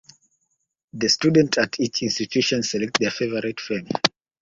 The students at each institution select their favourite film.